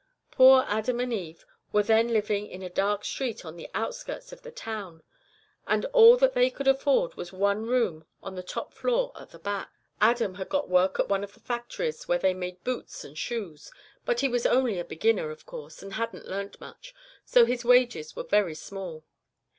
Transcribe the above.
Poor Adam and Eve were then living in a dark street on the outskirts of the town, and all that they could afford was one room on the top floor at the back. "Adam had got work at one of the factories where they made boots and shoes, but he was only a beginner, of course, and hadn't learnt much, and so his wages were very small.